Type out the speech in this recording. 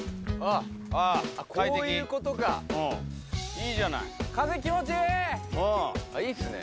こういうことかいいじゃないうんいいっすね